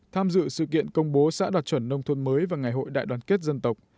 tham dự sự kiện công bố xã đạt chuẩn nông thôn mới và ngày hội đại đoàn kết dân tộc